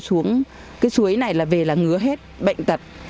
xuống cái suối này là về là ngứa hết bệnh tật